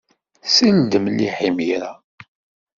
Sel-d mliḥ imir-a.